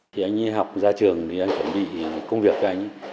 thì anh học ra trường thì anh chuẩn bị công việc cho anh